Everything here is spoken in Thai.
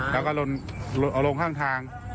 แล้วก็เอาลงข้างทาง